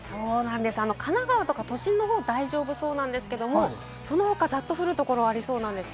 神奈川とか都心の方は大丈夫そうなんですけれど、その他、ざっと降るところがありそうなんです。